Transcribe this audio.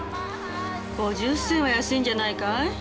５０銭は安いんじゃないかい。